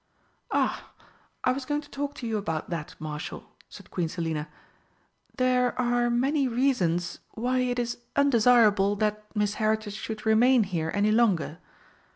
"Ah, I was going to talk to you about that, Marshal," said Queen Selina. "There are many reasons why it is undesirable that Miss Heritage should remain here any longer.